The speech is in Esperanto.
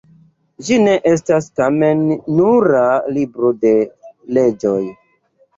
Ĝi ne estas, tamen, nura libro de leĝoj.